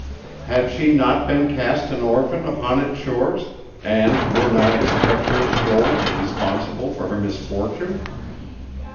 Had she not been cast an orphan upon its shores, and were not its treacherous shoals responsible for her misfortune?